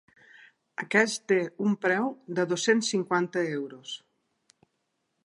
Aquest té un preu de dos-cents cinquanta euros.